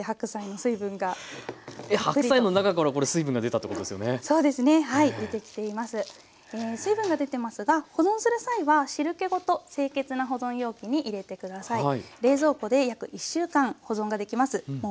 水分が出てますが保存する際は汁けごと清潔な保存容器に入れて下さいはい。